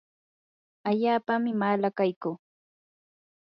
allaapami malaqaykuu.